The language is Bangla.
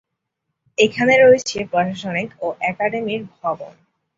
এখানে রয়েছে প্রশাসনিক ও একাডেমির ভবন।